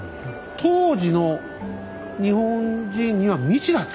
当時の日本人には未知だった。